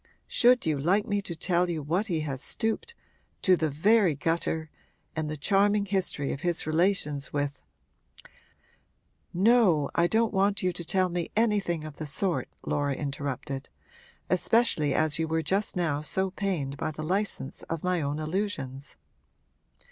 'Should you like me to tell you to what he has stooped to the very gutter and the charming history of his relations with ' 'No, I don't want you to tell me anything of the sort,' Laura interrupted. 'Especially as you were just now so pained by the license of my own allusions.'